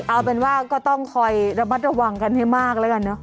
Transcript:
เอาเป็นว่าก็ต้องคอยระมัดระวังกันให้มากแล้วกันเนอ